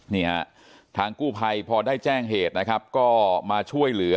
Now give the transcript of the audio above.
นี่ฮะทางกู้ภัยพอได้แจ้งเหตุนะครับก็มาช่วยเหลือ